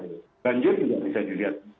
dan juga tidak bisa dilihat